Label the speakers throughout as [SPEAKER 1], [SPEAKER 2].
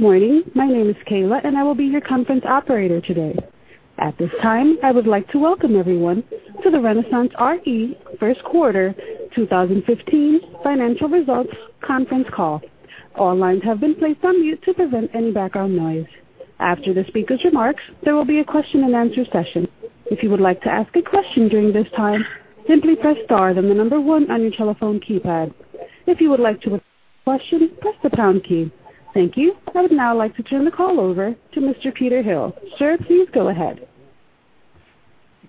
[SPEAKER 1] Good morning. My name is Kayla, and I will be your conference operator today. At this time, I would like to welcome everyone to the RenaissanceRe first quarter 2015 financial results conference call. All lines have been placed on mute to prevent any background noise. After the speaker's remarks, there will be a question and answer session. If you would like to ask a question during this time, simply press star then the number one on your telephone keypad. If you would like to withdraw a question, press the pound key. Thank you. I would now like to turn the call over to Mr. Peter Hill. Sir, please go ahead.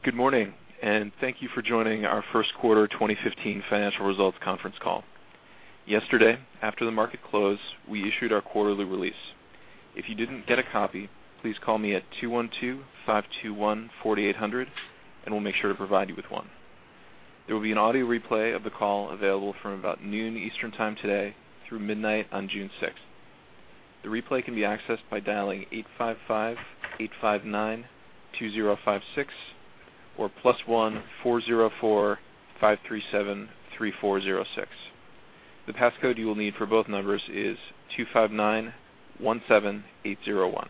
[SPEAKER 2] Good morning. Thank you for joining our first quarter 2015 financial results conference call. Yesterday, after the market close, we issued our quarterly release. If you didn't get a copy, please call me at 212-521-4800, and we'll make sure to provide you with one. There will be an audio replay of the call available from about noon Eastern Time today through midnight on June 6th. The replay can be accessed by dialing 855-859-2056 or +1-404-537-3406. The passcode you will need for both numbers is 25917801.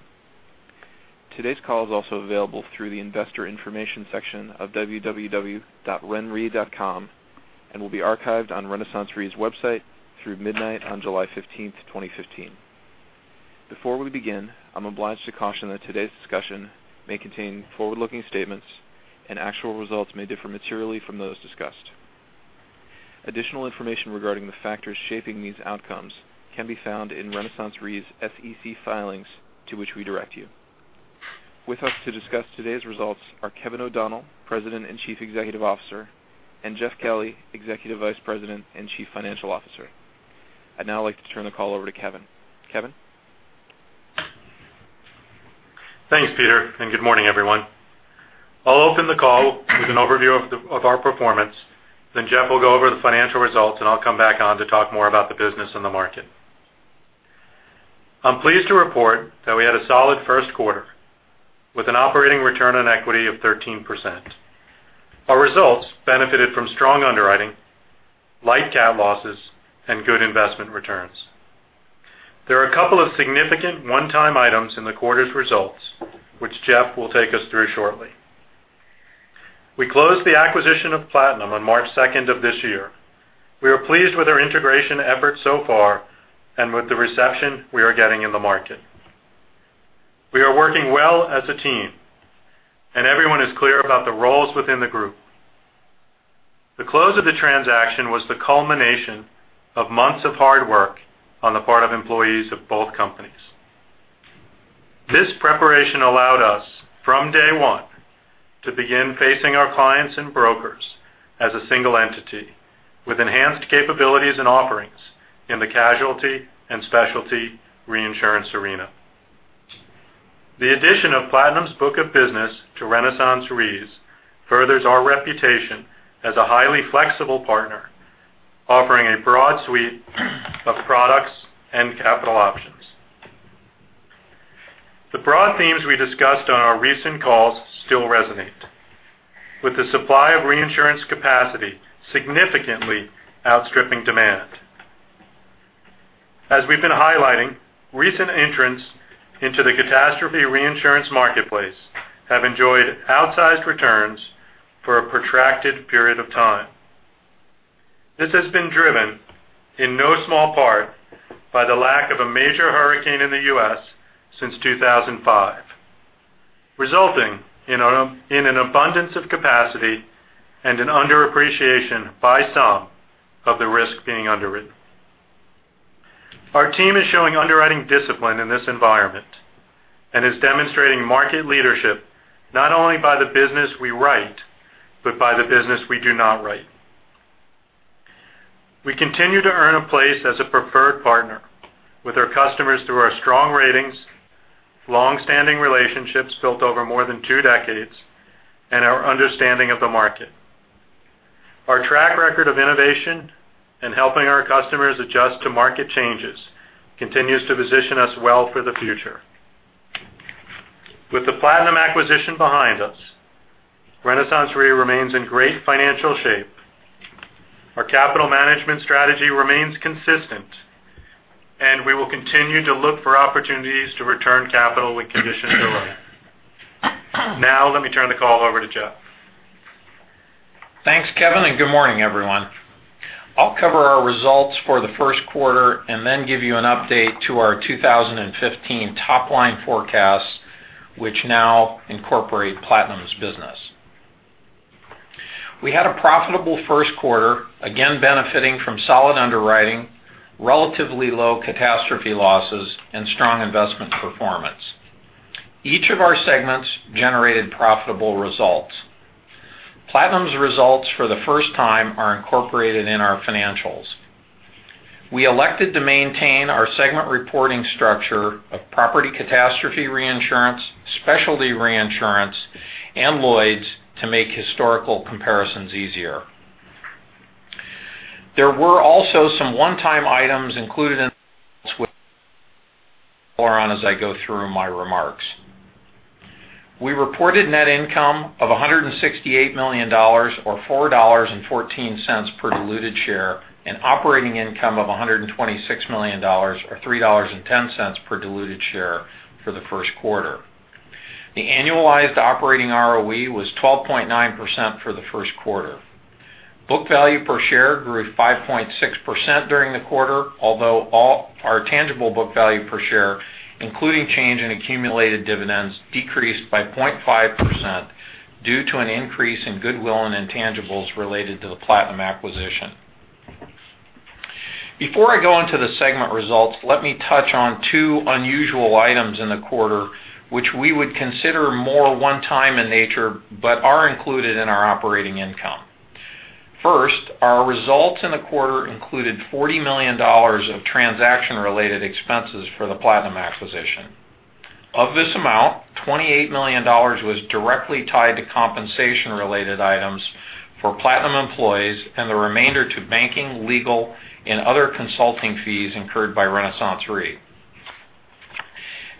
[SPEAKER 2] Today's call is also available through the investor information section of www.renre.com and will be archived on RenaissanceRe's website through midnight on July 15th, 2015. Before we begin, I'm obliged to caution that today's discussion may contain forward-looking statements and actual results may differ materially from those discussed. Additional information regarding the factors shaping these outcomes can be found in RenaissanceRe's SEC filings to which we direct you. With us to discuss today's results are Kevin O'Donnell, President and Chief Executive Officer, and Jeffrey Kelly, Executive Vice President and Chief Financial Officer. I'd now like to turn the call over to Kevin. Kevin?
[SPEAKER 3] Thanks, Peter. Good morning, everyone. I'll open the call with an overview of our performance, Jeff will go over the financial results, and I'll come back on to talk more about the business and the market. I'm pleased to report that we had a solid first quarter with an operating return on equity of 13%. Our results benefited from strong underwriting, light cat losses, and good investment returns. There are a couple of significant one-time items in the quarter's results, which Jeff will take us through shortly. We closed the acquisition of Platinum on March 2nd of this year. We are pleased with our integration efforts so far and with the reception we are getting in the market. We are working well as a team, and everyone is clear about the roles within the group. The close of the transaction was the culmination of months of hard work on the part of employees of both companies. This preparation allowed us from day one to begin facing our clients and brokers as a single entity with enhanced capabilities and offerings in the casualty and specialty reinsurance arena. The addition of Platinum's book of business to RenaissanceRe's furthers our reputation as a highly flexible partner, offering a broad suite of products and capital options. The broad themes we discussed on our recent calls still resonate with the supply of reinsurance capacity significantly outstripping demand. As we've been highlighting, recent entrants into the catastrophe reinsurance marketplace have enjoyed outsized returns for a protracted period of time. This has been driven in no small part by the lack of a major hurricane in the U.S. since 2005, resulting in an abundance of capacity and an underappreciation by some of the risk being underwritten. Our team is showing underwriting discipline in this environment and is demonstrating market leadership, not only by the business we write, but by the business we do not write. We continue to earn a place as a preferred partner with our customers through our strong ratings, long-standing relationships built over more than two decades, our understanding of the market. Our track record of innovation and helping our customers adjust to market changes continues to position us well for the future. With the Platinum acquisition behind us, RenaissanceRe remains in great financial shape. Our capital management strategy remains consistent, we will continue to look for opportunities to return capital when conditions allow. Now, let me turn the call over to Jeff.
[SPEAKER 4] Thanks, Kevin, good morning, everyone. I'll cover our results for the first quarter and then give you an update to our 2015 top-line forecast, which now incorporate Platinum's business. We had a profitable first quarter, again benefiting from solid underwriting, relatively low catastrophe losses, and strong investment performance. Each of our segments generated profitable results. Platinum's results for the first time are incorporated in our financials. We elected to maintain our segment reporting structure of property catastrophe reinsurance, specialty reinsurance, and Lloyd's to make historical comparisons easier. There were also some one-time items included in as I go through my remarks. We reported net income of $168 million or $4.14 per diluted share, and operating income of $126 million or $3.10 per diluted share for the first quarter. The annualized operating ROE was 12.9% for the first quarter. Book value per share grew 5.6% during the quarter, although our tangible book value per share, including change in accumulated dividends, decreased by 0.5% due to an increase in goodwill and intangibles related to the Platinum acquisition. Before I go into the segment results, let me touch on two unusual items in the quarter, which we would consider more one-time in nature, but are included in our operating income. First, our results in the quarter included $40 million of transaction-related expenses for the Platinum acquisition. Of this amount, $28 million was directly tied to compensation-related items for Platinum employees and the remainder to banking, legal, and other consulting fees incurred by RenaissanceRe.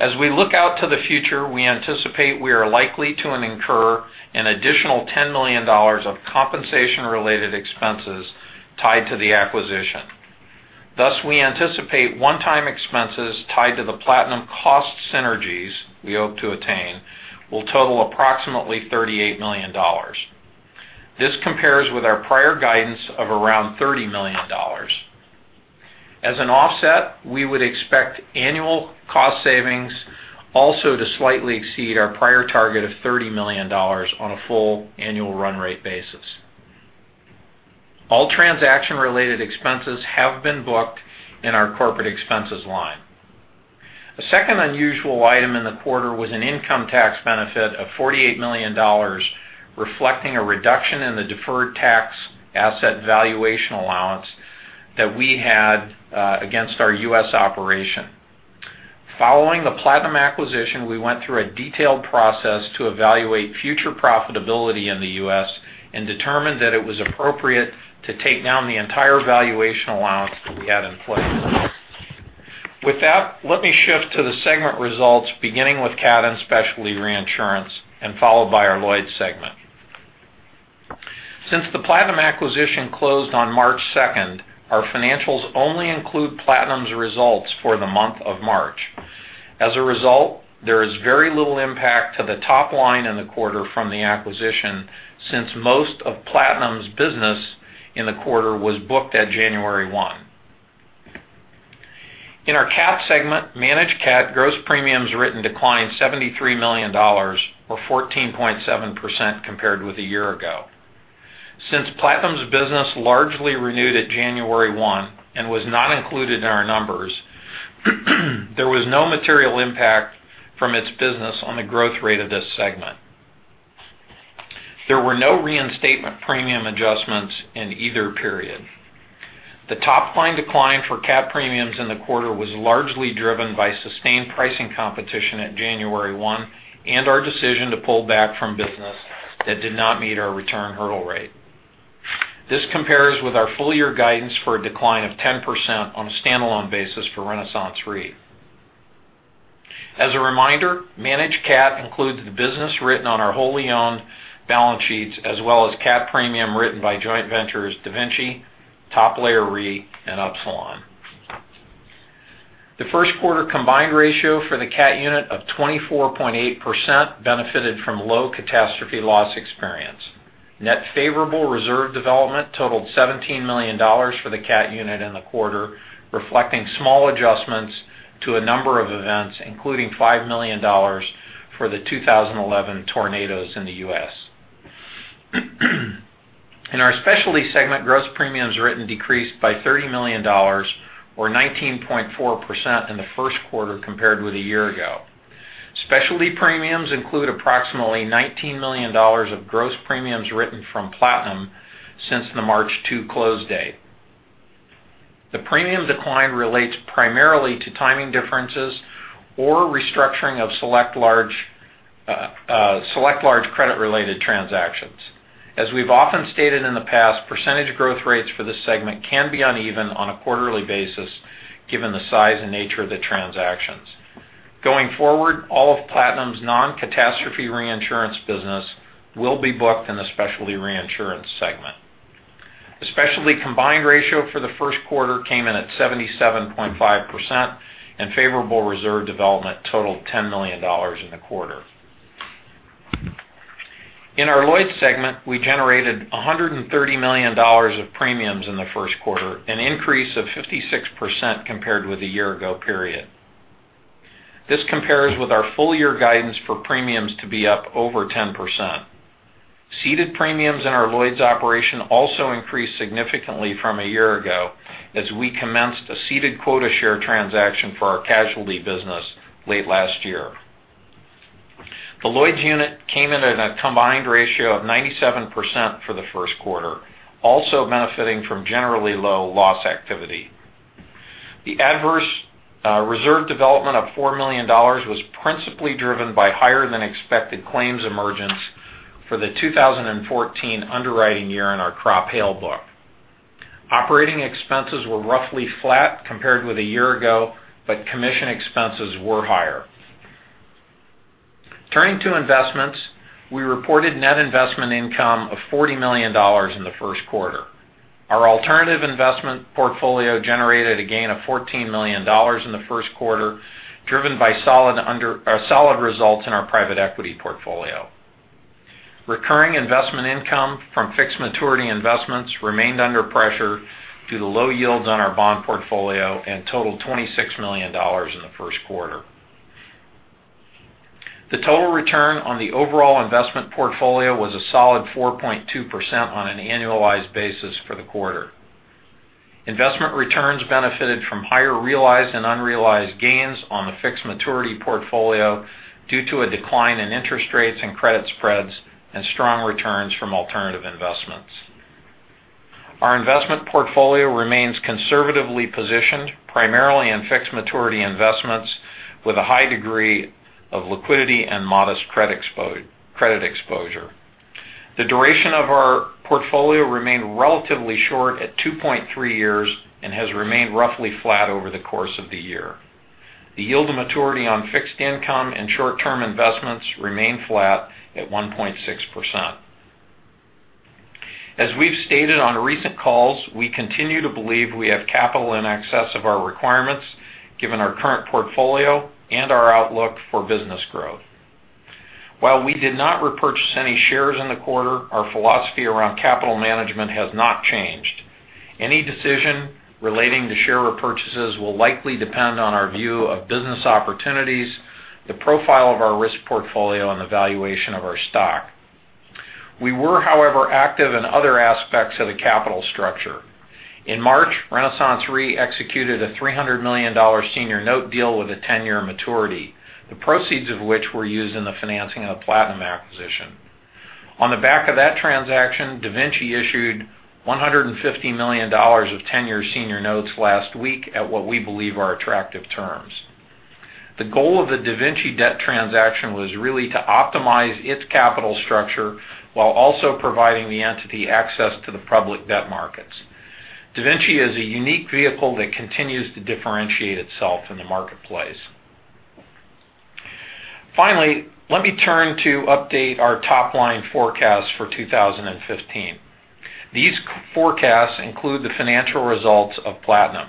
[SPEAKER 4] As we look out to the future, we anticipate we are likely to incur an additional $10 million of compensation-related expenses tied to the acquisition. Thus, we anticipate one-time expenses tied to the Platinum cost synergies we hope to attain will total approximately $38 million. This compares with our prior guidance of around $30 million. As an offset, we would expect annual cost savings also to slightly exceed our prior target of $30 million on a full annual run rate basis. All transaction-related expenses have been booked in our corporate expenses line. A second unusual item in the quarter was an income tax benefit of $48 million, reflecting a reduction in the deferred tax asset valuation allowance that we had against our U.S. operation. Following the Platinum acquisition, we went through a detailed process to evaluate future profitability in the U.S. and determined that it was appropriate to take down the entire valuation allowance that we had in place. With that, let me shift to the segment results beginning with Cat and Specialty Reinsurance and followed by our Lloyd's segment. Since the Platinum acquisition closed on March 2nd, our financials only include Platinum's results for the month of March. As a result, there is very little impact to the top line in the quarter from the acquisition, since most of Platinum's business in the quarter was booked at January 1. In our Cat segment, Managed Cat gross premiums written declined $73 million or 14.7% compared with a year ago. Since Platinum's business largely renewed at January 1 and was not included in our numbers, there was no material impact from its business on the growth rate of this segment. There were no reinstatement premium adjustments in either period. The top-line decline for Cat premiums in the quarter was largely driven by sustained pricing competition at January 1 and our decision to pull back from business that did not meet our return hurdle rate. This compares with our full-year guidance for a decline of 10% on a standalone basis for RenaissanceRe. As a reminder, Managed Cat includes the business written on our wholly owned balance sheets as well as Cat premium written by joint ventures DaVinci, Top Layer Re, and Upsilon. The first quarter combined ratio for the Cat unit of 24.8% benefited from low catastrophe loss experience. Net favorable reserve development totaled $17 million for the Cat unit in the quarter, reflecting small adjustments to a number of events, including $5 million for the 2011 tornadoes in the U.S. In our Specialty segment, gross premiums written decreased by $30 million or 19.4% in the first quarter compared with a year ago. Specialty premiums include approximately $19 million of gross premiums written from Platinum since the March 2 close date. The premium decline relates primarily to timing differences or restructuring of select large credit-related transactions. As we've often stated in the past, percentage growth rates for this segment can be uneven on a quarterly basis given the size and nature of the transactions. Going forward, all of Platinum's non-catastrophe reinsurance business will be booked in the Specialty Reinsurance segment. The Specialty combined ratio for the first quarter came in at 77.5%, and favorable reserve development totaled $10 million in the quarter. In our Lloyd's segment, we generated $130 million of premiums in the first quarter, an increase of 56% compared with the year ago period. This compares with our full-year guidance for premiums to be up over 10%. Ceded premiums in our Lloyd's operation also increased significantly from a year ago as we commenced a ceded quota share transaction for our casualty business late last year. The Lloyd's unit came in at a combined ratio of 97% for the first quarter, also benefiting from generally low loss activity. The adverse reserve development of $4 million was principally driven by higher than expected claims emergence for the 2014 underwriting year in our crop hail book. Operating expenses were roughly flat compared with a year ago, but commission expenses were higher. Turning to investments, we reported net investment income of $40 million in the first quarter. Our alternative investment portfolio generated a gain of $14 million in the first quarter, driven by solid results in our private equity portfolio. Recurring investment income from fixed maturity investments remained under pressure due to low yields on our bond portfolio and totaled $26 million in the first quarter. The total return on the overall investment portfolio was a solid 4.2% on an annualized basis for the quarter. Investment returns benefited from higher realized and unrealized gains on the fixed maturity portfolio due to a decline in interest rates and credit spreads and strong returns from alternative investments. Our investment portfolio remains conservatively positioned primarily in fixed maturity investments with a high degree of liquidity and modest credit exposure. The duration of our portfolio remained relatively short at 2.3 years and has remained roughly flat over the course of the year. The yield to maturity on fixed income and short-term investments remained flat at 1.6%. As we've stated on recent calls, we continue to believe we have capital in excess of our requirements, given our current portfolio and our outlook for business growth. While we did not repurchase any shares in the quarter, our philosophy around capital management has not changed. Any decision relating to share repurchases will likely depend on our view of business opportunities, the profile of our risk portfolio, and the valuation of our stock. We were, however, active in other aspects of the capital structure. In March, RenaissanceRe executed a $300 million senior note deal with a 10-year maturity, the proceeds of which were used in the financing of the Platinum acquisition. On the back of that transaction, DaVinci issued $150 million of 10-year senior notes last week at what we believe are attractive terms. The goal of the DaVinci debt transaction was really to optimize its capital structure while also providing the entity access to the public debt markets. DaVinci is a unique vehicle that continues to differentiate itself in the marketplace. Finally, let me turn to update our top-line forecast for 2015. These forecasts include the financial results of Platinum.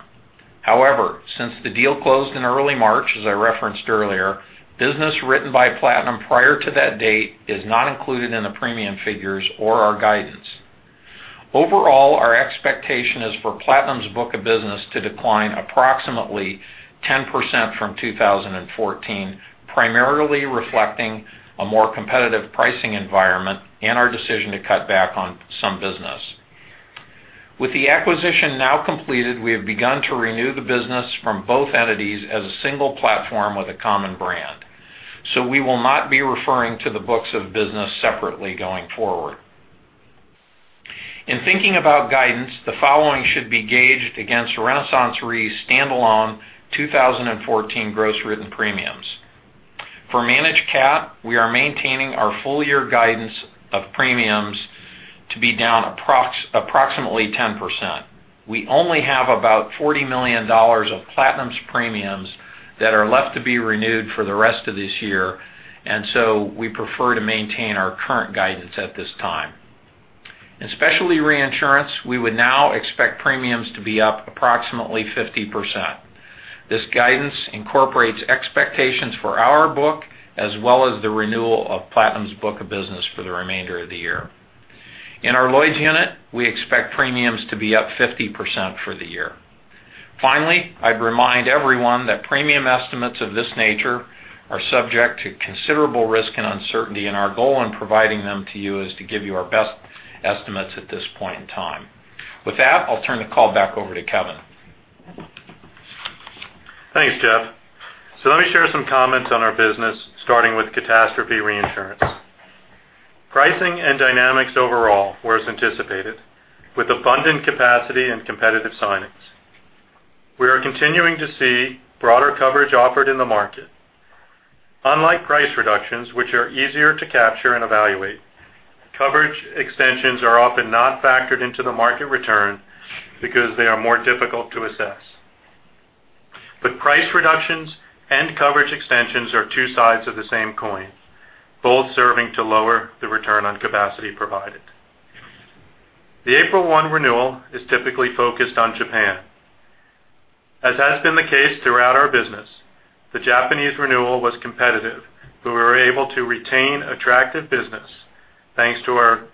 [SPEAKER 4] However, since the deal closed in early March, as I referenced earlier, business written by Platinum prior to that date is not included in the premium figures or our guidance. Overall, our expectation is for Platinum's book of business to decline approximately 10% from 2014, primarily reflecting a more competitive pricing environment and our decision to cut back on some business. With the acquisition now completed, we have begun to renew the business from both entities as a single platform with a common brand. We will not be referring to the books of business separately going forward. In thinking about guidance, the following should be gauged against RenaissanceRe's stand-alone 2014 gross written premiums. For Managed Cat, we are maintaining our full-year guidance of premiums to be down approximately 10%. We only have about $40 million of Platinum's premiums that are left to be renewed for the rest of this year. We prefer to maintain our current guidance at this time. In specialty reinsurance, we would now expect premiums to be up approximately 50%. This guidance incorporates expectations for our book as well as the renewal of Platinum's book of business for the remainder of the year. In our Lloyd's unit, we expect premiums to be up 50% for the year. Finally, I'd remind everyone that premium estimates of this nature are subject to considerable risk and uncertainty, and our goal in providing them to you is to give you our best estimates at this point in time. With that, I'll turn the call back over to Kevin.
[SPEAKER 3] Thanks, Jeff. Let me share some comments on our business, starting with catastrophe reinsurance. Pricing and dynamics overall were as anticipated, with abundant capacity and competitive signings. We are continuing to see broader coverage offered in the market. Unlike price reductions, which are easier to capture and evaluate, coverage extensions are often not factored into the market return because they are more difficult to assess. Price reductions and coverage extensions are two sides of the same coin, both serving to lower the return on capacity provided. The April 1 renewal is typically focused on Japan. As has been the case throughout our business, the Japanese renewal was competitive, but we were able to retain attractive business thanks to our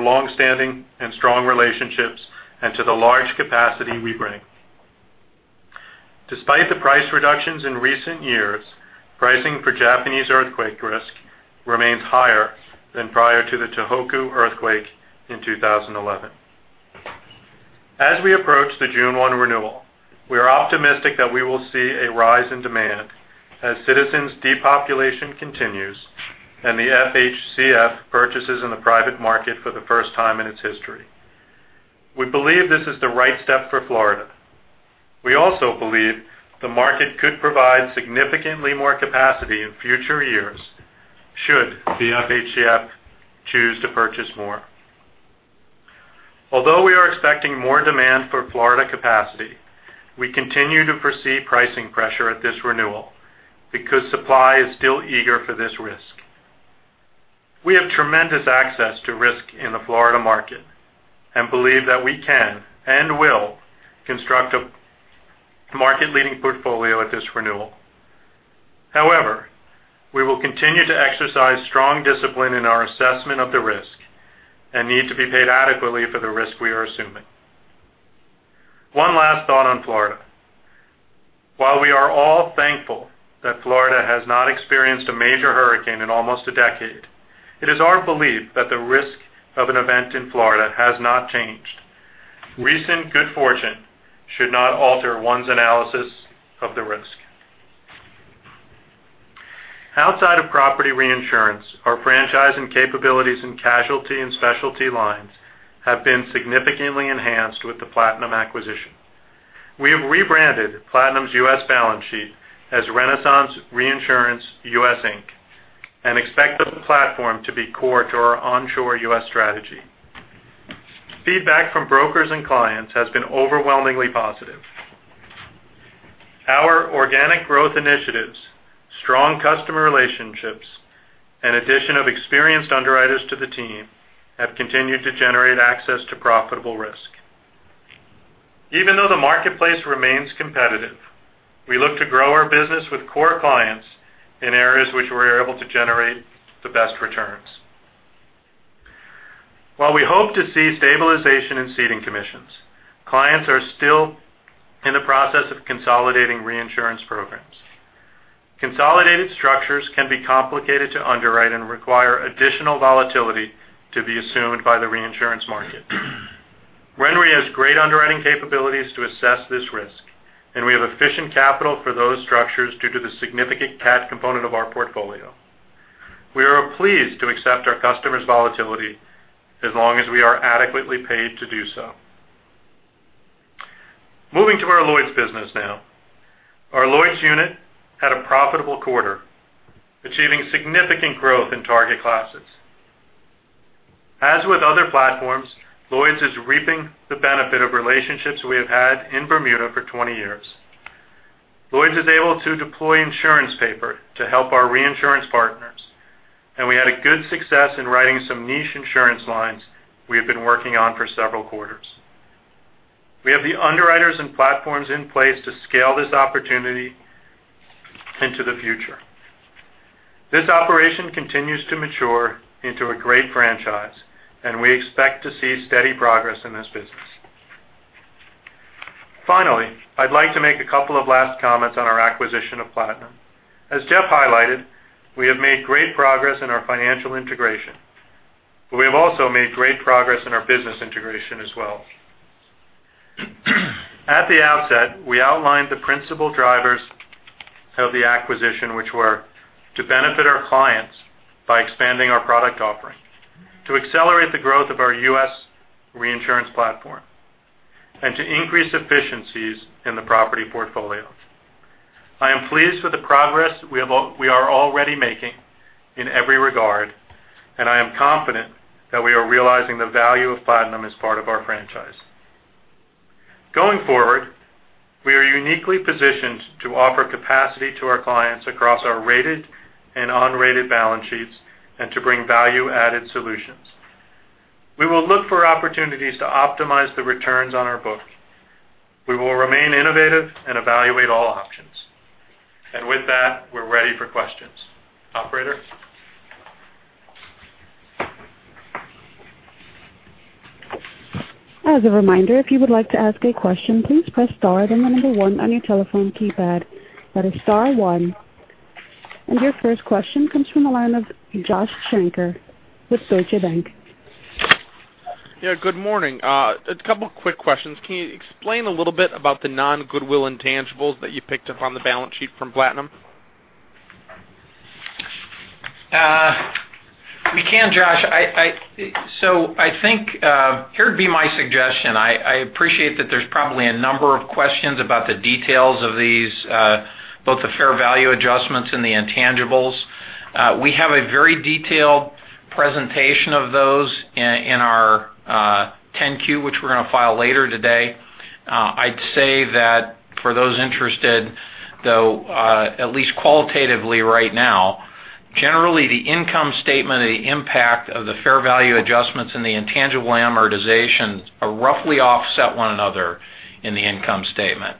[SPEAKER 3] long-standing and strong relationships and to the large capacity we bring. Despite the price reductions in recent years, pricing for Japanese earthquake risk remains higher than prior to the Tohoku earthquake in 2011. As we approach the June 1 renewal, we are optimistic that we will see a rise in demand as Citizens' depopulation continues and the FHCF purchases in the private market for the first time in its history. We believe this is the right step for Florida. We also believe the market could provide significantly more capacity in future years should the FHCF choose to purchase more. Although we are expecting more demand for Florida capacity, we continue to foresee pricing pressure at this renewal because supply is still eager for this risk. We have tremendous access to risk in the Florida market and believe that we can and will construct a market-leading portfolio at this renewal. We will continue to exercise strong discipline in our assessment of the risk and need to be paid adequately for the risk we are assuming. One last thought on Florida. While we are all thankful that Florida has not experienced a major hurricane in almost a decade, it is our belief that the risk of an event in Florida has not changed. Recent good fortune should not alter one's analysis of the risk. Outside of property reinsurance, our franchise and capabilities in casualty and specialty lines have been significantly enhanced with the Platinum acquisition. We have rebranded Platinum's U.S. balance sheet as Renaissance Reinsurance U.S. Inc. expect the platform to be core to our onshore U.S. strategy. Feedback from brokers and clients has been overwhelmingly positive. Our organic growth initiatives, strong customer relationships, and addition of experienced underwriters to the team have continued to generate access to profitable risk. Even though the marketplace remains competitive, we look to grow our business with core clients in areas which we're able to generate the best returns. While we hope to see stabilization in ceding commissions, clients are still in the process of consolidating reinsurance programs. Consolidated structures can be complicated to underwrite and require additional volatility to be assumed by the reinsurance market. RenRe has great underwriting capabilities to assess this risk, and we have efficient capital for those structures due to the significant cat component of our portfolio. We are pleased to accept our customers' volatility as long as we are adequately paid to do so. Moving to our Lloyd's business now. Our Lloyd's unit had a profitable quarter, achieving significant growth in target classes. As with other platforms, Lloyd's is reaping the benefit of relationships we have had in Bermuda for 20 years. Lloyd's is able to deploy insurance paper to help our reinsurance partners, we had a good success in writing some niche insurance lines we have been working on for several quarters. We have the underwriters and platforms in place to scale this opportunity into the future. This operation continues to mature into a great franchise, and we expect to see steady progress in this business. I'd like to make a couple of last comments on our acquisition of Platinum. As Jeff highlighted, we have made great progress in our financial integration, we have also made great progress in our business integration as well. At the outset, we outlined the principal drivers of the acquisition, which were to benefit our clients by expanding our product offering, to accelerate the growth of our U.S. reinsurance platform, and to increase efficiencies in the property portfolio. I am pleased with the progress we are already making in every regard, and I am confident that we are realizing the value of Platinum as part of our franchise. Going forward, we are uniquely positioned to offer capacity to our clients across our rated and unrated balance sheets and to bring value-added solutions. We will look for opportunities to optimize the returns on our book. We will remain innovative and evaluate all options. With that, we're ready for questions. Operator?
[SPEAKER 1] As a reminder, if you would like to ask a question, please press star, then the number one on your telephone keypad. That is star one. Your first question comes from the line of Joshua Shanker with Deutsche Bank.
[SPEAKER 5] Yeah, good morning. A couple quick questions. Can you explain a little bit about the non-goodwill intangibles that you picked up on the balance sheet from Platinum?
[SPEAKER 3] We can, Josh. I think here would be my suggestion. I appreciate that there's probably a number of questions about the details of these, both the fair value adjustments and the intangibles. We have a very detailed presentation of those in our 10-Q, which we're going to file later today. I'd say that for those interested, though, at least qualitatively right now, generally, the income statement and the impact of the fair value adjustments and the intangible amortization roughly offset one another in the income statement.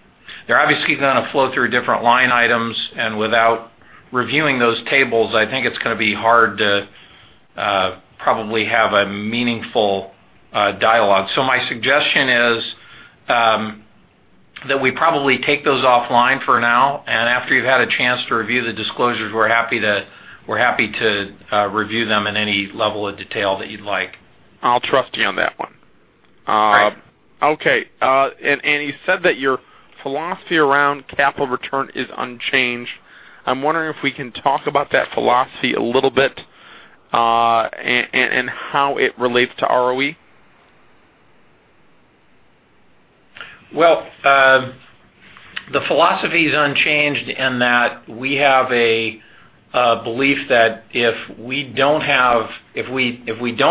[SPEAKER 3] They're obviously going to flow through different line items, and without reviewing those tables, I think it's going to be hard to probably have a meaningful dialogue. My suggestion is that we probably take those offline for now, and after you've had a chance to review the disclosures, we're happy to review them in any level of detail that you'd like.
[SPEAKER 5] I'll trust you on that one.
[SPEAKER 3] Great.
[SPEAKER 5] You said that your philosophy around capital return is unchanged. I'm wondering if we can talk about that philosophy a little bit. How it relates to ROE?
[SPEAKER 4] Well, the philosophy is unchanged in that we have a belief that if we don't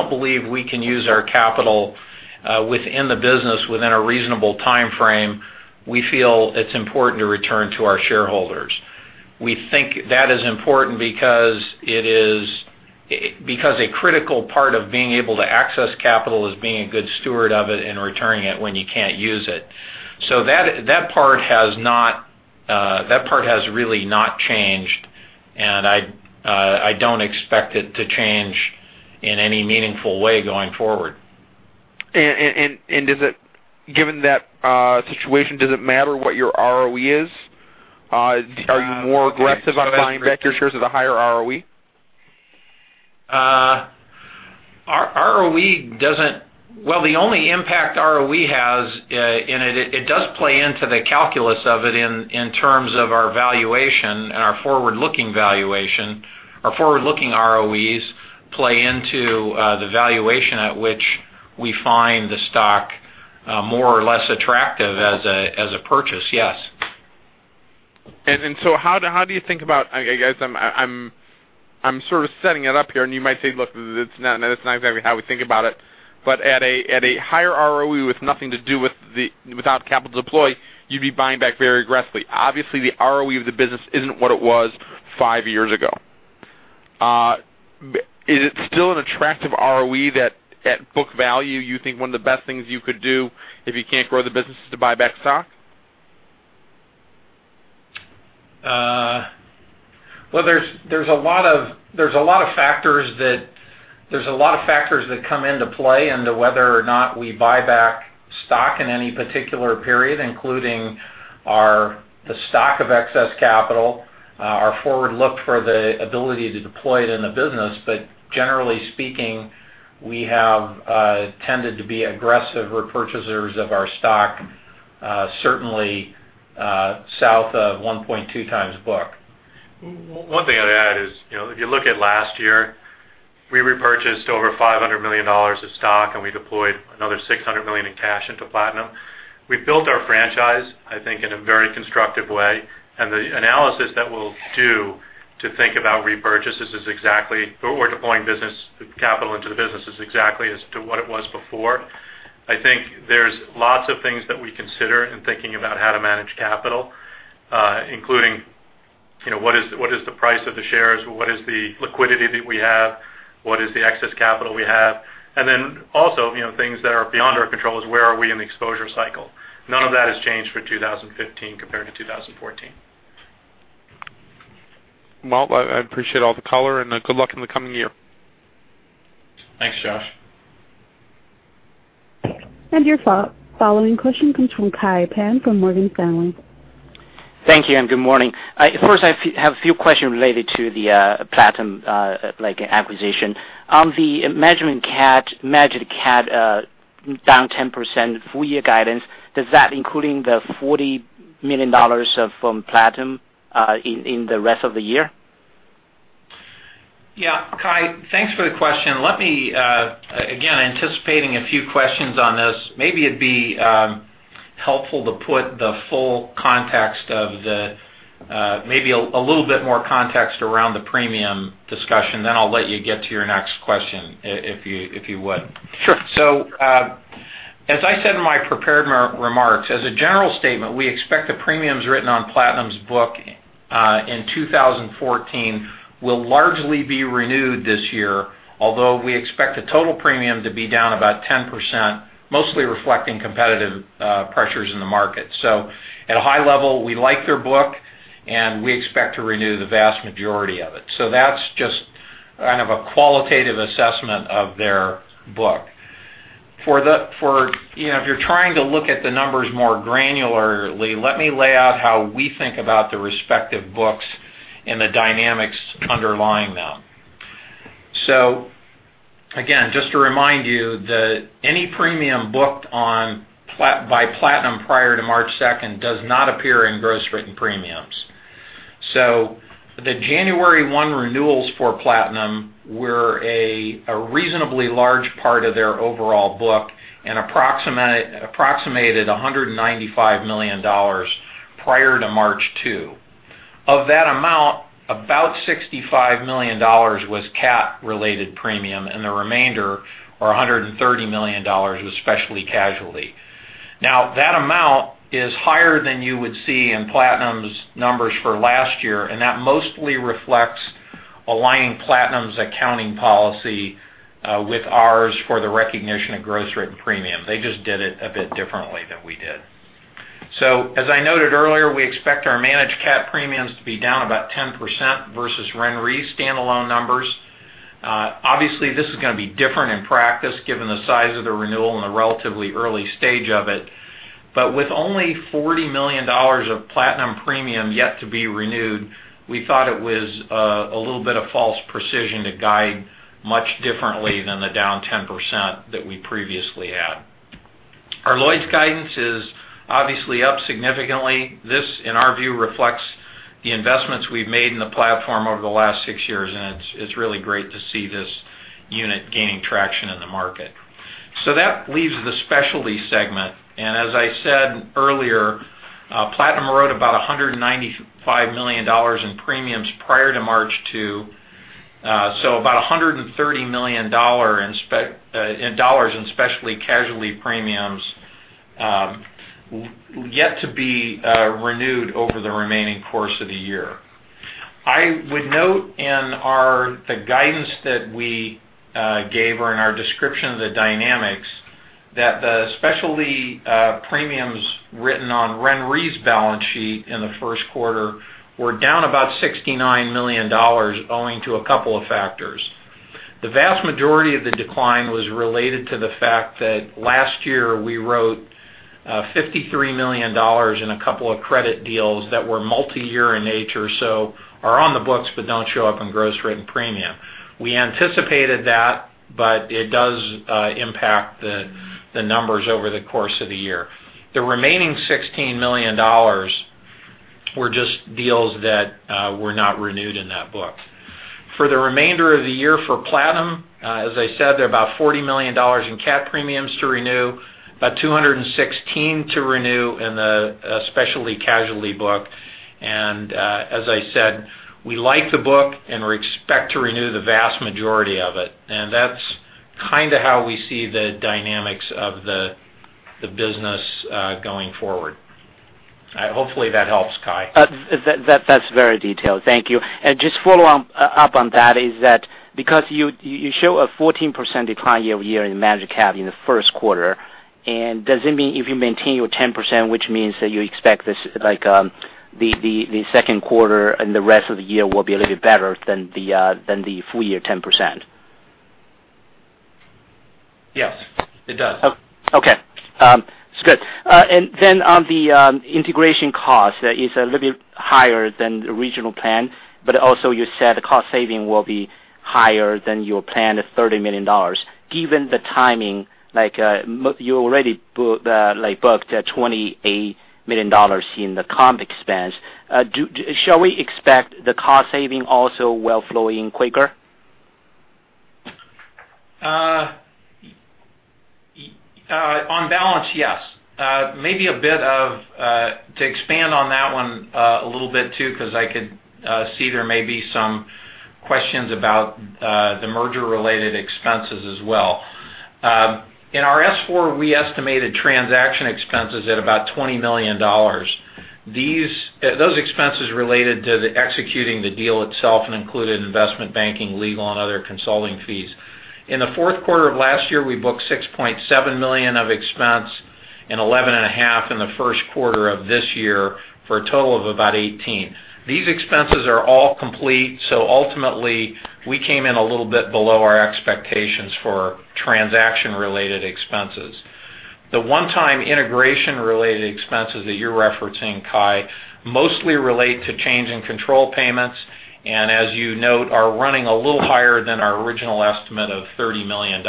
[SPEAKER 4] believe we can use our capital within the business within a reasonable timeframe, we feel it's important to return to our shareholders. We think that is important because a critical part of being able to access capital is being a good steward of it and returning it when you can't use it. That part has really not changed, and I don't expect it to change in any meaningful way going forward.
[SPEAKER 5] Given that situation, does it matter what your ROE is? Are you more aggressive on buying back your shares at a higher ROE?
[SPEAKER 4] The only impact ROE has, it does play into the calculus of it in terms of our valuation and our forward-looking valuation. Our forward-looking ROEs play into the valuation at which we find the stock more or less attractive as a purchase, yes.
[SPEAKER 5] How do you think about, I guess I'm sort of setting it up here, and you might say, "Look, that's not exactly how we think about it." At a higher ROE with nothing to do without capital deploy, you'd be buying back very aggressively. The ROE of the business isn't what it was five years ago. Is it still an attractive ROE that at book value, you think one of the best things you could do if you can't grow the business is to buy back stock?
[SPEAKER 4] There's a lot of factors that come into play into whether or not we buy back stock in any particular period, including the stock of excess capital, our forward look for the ability to deploy it in the business. Generally speaking, we have tended to be aggressive repurchasers of our stock certainly south of 1.2 times book.
[SPEAKER 3] One thing I'd add is, if you look at last year, we repurchased over $500 million of stock, and we deployed another $600 million in cash into Platinum. We built our franchise, I think, in a very constructive way, and the analysis that we'll do to think about repurchases is exactly where we're deploying business capital into the business is exactly as to what it was before. I think there's lots of things that we consider in thinking about how to manage capital, including what is the price of the shares? What is the liquidity that we have? What is the excess capital we have? Also, things that are beyond our control is where are we in the exposure cycle? None of that has changed for 2015 compared to 2014.
[SPEAKER 5] Well, I appreciate all the color, good luck in the coming year.
[SPEAKER 3] Thanks, Josh.
[SPEAKER 1] Your following question comes from Kai Pan from Morgan Stanley.
[SPEAKER 6] Thank you, and good morning. First, I have a few questions related to the Platinum acquisition. On the managed cat, down 10% full year guidance, does that including the $40 million from Platinum in the rest of the year?
[SPEAKER 4] Yeah, Kai, thanks for the question. Let me, again, anticipating a few questions on this. Maybe it'd be helpful to put the full context of maybe a little bit more context around the premium discussion. I'll let you get to your next question if you would.
[SPEAKER 6] Sure.
[SPEAKER 4] As I said in my prepared remarks, as a general statement, we expect the premiums written on Platinum's book in 2014 will largely be renewed this year, although we expect the total premium to be down about 10%, mostly reflecting competitive pressures in the market. At a high level, we like their book, and we expect to renew the vast majority of it. That's just kind of a qualitative assessment of their book. If you're trying to look at the numbers more granularly, let me lay out how we think about the respective books and the dynamics underlying them. Again, just to remind you, any premium booked by Platinum prior to March 2 does not appear in gross written premiums. The January 1 renewals for Platinum were a reasonably large part of their overall book and approximated $195 million prior to March 2. Of that amount, about $65 million was cat related premium, and the remainder or $130 million was specialty casualty. Now, that amount is higher than you would see in Platinum's numbers for last year, and that mostly reflects aligning Platinum's accounting policy with ours for the recognition of gross written premium. They just did it a bit differently than we did. As I noted earlier, we expect our managed cat premiums to be down about 10% versus RenRe standalone numbers. Obviously, this is going to be different in practice given the size of the renewal and the relatively early stage of it. With only $40 million of Platinum premium yet to be renewed, we thought it was a little bit of false precision to guide much differently than the down 10% that we previously had. Our Lloyd's guidance is obviously up significantly. This, in our view, reflects the investments we've made in the platform over the last six years, and it's really great to see this unit gaining traction in the market. That leaves the specialty segment. As I said earlier, Platinum wrote about $195 million in premiums prior to March 2. About $216 million in dollars in specialty casualty premiums yet to be renewed over the remaining course of the year. I would note in the guidance that we gave or in our description of the dynamics, that the specialty premiums written on RenRe's balance sheet in the first quarter were down about $69 million owing to a couple of factors. The vast majority of the decline was related to the fact that last year we wrote $53 million in a couple of credit deals that were multi-year in nature, are on the books but don't show up in gross written premium. We anticipated that, it does impact the numbers over the course of the year. The remaining $16 million were just deals that were not renewed in that book. For the remainder of the year for Platinum, as I said, they're about $40 million in cat premiums to renew, about $216 million to renew in the specialty casualty book. As I said, we like the book and we expect to renew the vast majority of it. That's kind of how we see the dynamics of the business going forward. Hopefully that helps, Kai.
[SPEAKER 6] That's very detailed. Thank you. Just follow up on that is that because you show a 14% decline year-over-year in managed cat in the first quarter, does it mean if you maintain your 10%, which means that you expect the second quarter and the rest of the year will be a little bit better than the full year 10%?
[SPEAKER 4] Yes. It does.
[SPEAKER 6] Okay. It's good. On the integration cost is a little bit higher than the original plan, also you said the cost saving will be higher than your plan of $30 million. Given the timing, you already booked $28 million in the comp expense. Shall we expect the cost saving also will flow in quicker?
[SPEAKER 4] On balance, yes. To expand on that one a little bit too, because I could see there may be some questions about the merger related expenses as well. In our S-4, we estimated transaction expenses at about $20 million. Those expenses related to the executing the deal itself and included investment banking, legal, and other consulting fees. In the fourth quarter of last year, we booked $6.7 million of expense and $11.5 million in the first quarter of this year for a total of about $18 million. These expenses are all complete, ultimately we came in a little bit below our expectations for transaction related expenses. The one-time integration related expenses that you're referencing, Kai, mostly relate to change in control payments, and as you note, are running a little higher than our original estimate of $30 million.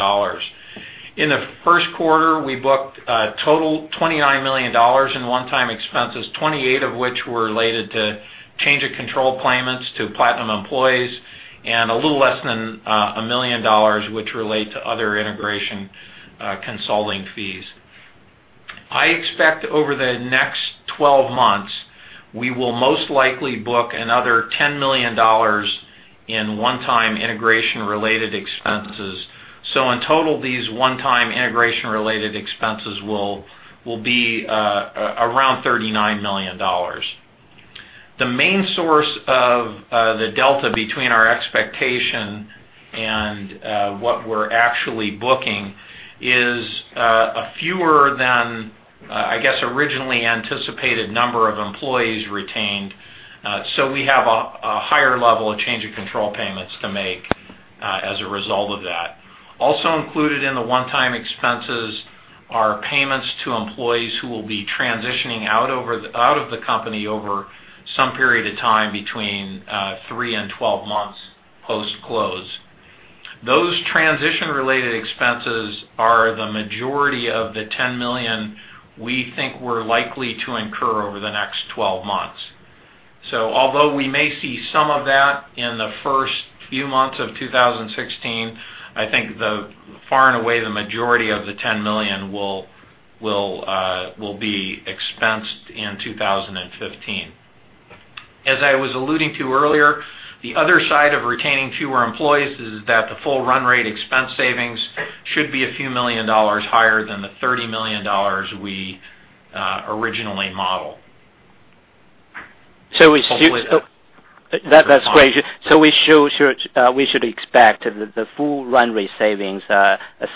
[SPEAKER 4] In the first quarter, we booked a total $29 million in one-time expenses, $28 million of which were related to change of control payments to Platinum employees, and a little less than $1 million, which relate to other integration consulting fees. I expect over the next 12 months, we will most likely book another $10 million in one-time integration related expenses. In total, these one-time integration related expenses will be around $39 million. The main source of the delta between our expectation and what we're actually booking is a fewer than, I guess, originally anticipated number of employees retained. We have a higher level of change of control payments to make as a result of that. Also included in the one-time expenses are payments to employees who will be transitioning out of the company over some period of time between 3 and 12 months post-close. Those transition related expenses are the majority of the $10 million we think we're likely to incur over the next 12 months. Although we may see some of that in the first few months of 2016, I think far and away the majority of the $10 million will be expensed in 2015. As I was alluding to earlier, the other side of retaining fewer employees is that the full run rate expense savings should be a few million dollars higher than the $30 million we originally modeled.
[SPEAKER 6] That's great. We should expect the full run rate savings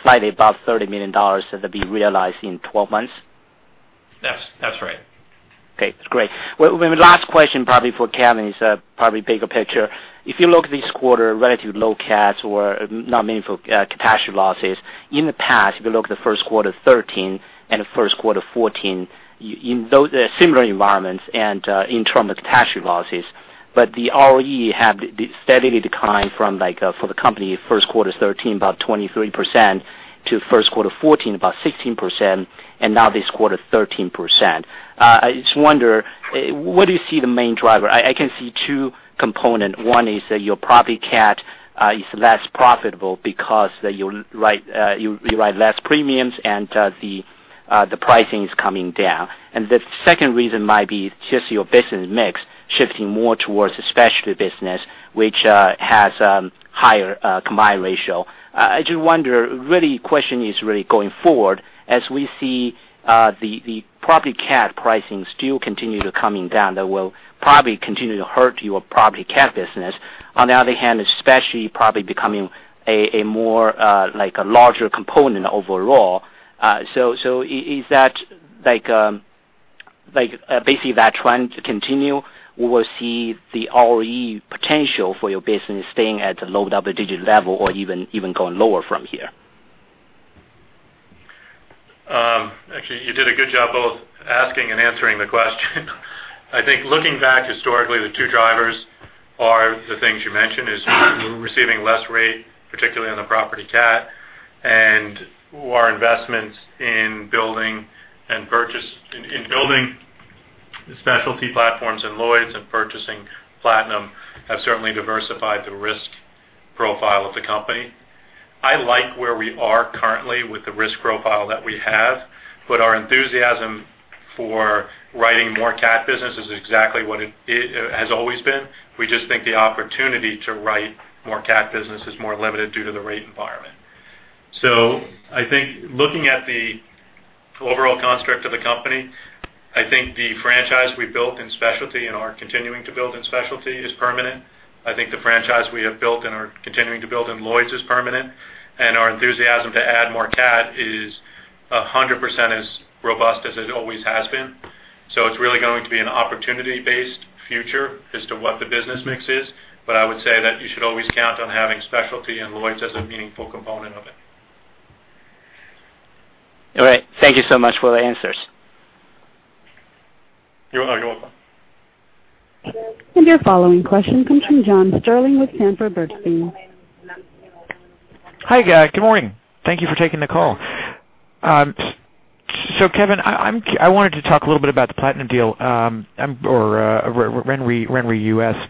[SPEAKER 6] slightly above $30 million to be realized in 12 months?
[SPEAKER 4] That's right.
[SPEAKER 6] Okay, great. Last question probably for Kevin is probably bigger picture. If you look this quarter relative low CATs or not meaningful catastrophe losses, in the past, if you look at the first quarter 2013 and the first quarter 2014, similar environments and in term of catastrophe losses. The ROE have steadily declined for the company, first quarter 2013, about 23%, to first quarter 2014, about 16%, and now this quarter, 13%. I just wonder, what do you see the main driver? I can see two component. One is that your property CAT is less profitable because you write less premiums and the pricing is coming down. The second reason might be just your business mix shifting more towards the specialty business, which has higher combined ratio. I just wonder, really question is really going forward, as we see the property CAT pricing still continue to coming down, that will probably continue to hurt your property CAT business. On the other hand, specialty probably becoming a more larger component overall. Is that basically that trend continue? We will see the ROE potential for your business staying at the low double-digit level or even going lower from here.
[SPEAKER 3] Actually, you did a good job both asking and answering the question. I think looking back historically, the two drivers are the things you mentioned is we're receiving less rate, particularly on the property CAT, and our investments in building the specialty platforms in Lloyd's and purchasing Platinum have certainly diversified the risk profile of the company. I like where we are currently with the risk profile that we have, but our enthusiasm for writing more CAT business is exactly what it has always been. We just think the opportunity to write more CAT business is more limited due to the rate environment. I think looking at the overall construct of the company, I think the franchise we built in specialty and are continuing to build in specialty is permanent. I think the franchise we have built and are continuing to build in Lloyd's is permanent, our enthusiasm to add more CAT is 100% as robust as it always has been. It's really going to be an opportunity-based future as to what the business mix is. I would say that you should always count on having specialty and Lloyd's as a meaningful component of it.
[SPEAKER 6] All right. Thank you so much for the answers.
[SPEAKER 3] You are welcome.
[SPEAKER 1] Your following question comes from Josh Stirling with Sanford Bernstein.
[SPEAKER 7] Hi, guys. Good morning. Thank you for taking the call. Kevin, I wanted to talk a little bit about the Platinum deal, or RenRe US.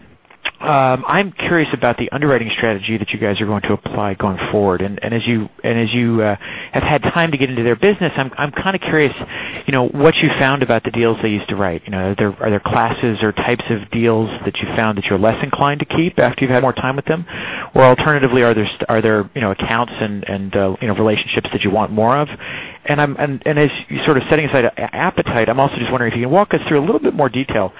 [SPEAKER 7] I'm curious about the underwriting strategy that you guys are going to apply going forward. As you have had time to get into their business, I'm kind of curious what you found about the deals they used to write. Are there classes or types of deals that you found that you're less inclined to keep after you've had more time with them? Alternatively, are there accounts and relationships that you want more of? As you sort of setting aside appetite, I'm also just wondering if you can walk us through a little bit more detail